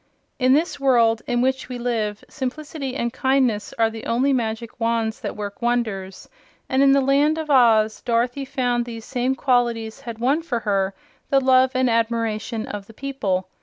In this world in which we live simplicity and kindness are the only magic wands that work wonders, and in the Land of Oz Dorothy found these same qualities had won for her the love and admiration of the people.